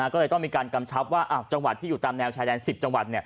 ก็เลยต้องมีการกำชับว่าจังหวัดที่อยู่ตามแนวชายแดน๑๐จังหวัด